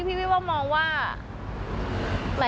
พี่มองว่า